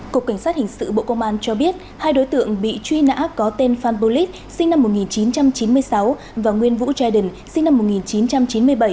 cục cảnh sát hình sự bộ công an cho biết hai đối tượng bị truy nã có tên phan bô lít sinh năm một nghìn chín trăm chín mươi sáu và nguyên vũ trai đỉnh sinh năm một nghìn chín trăm chín mươi bảy